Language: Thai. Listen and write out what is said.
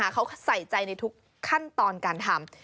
เขาใส่ใจในทุกขั้นตอนการทำ